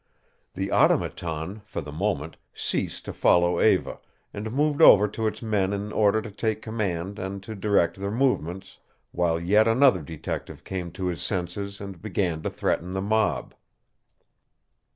The Automaton, for the moment, ceased to follow Eva, and moved over to its men in order to take command and to direct their movements, while yet another detective came to his senses and began to threaten the mob.